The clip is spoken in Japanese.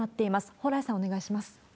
蓬莱さん、お願いします。